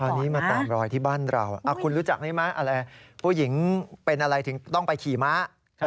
อันนี้มาตามรอยที่บ้านเราคุณรู้จักได้ไหมอะไรผู้หญิงเป็นอะไรถึงต้องไปขี่ม้า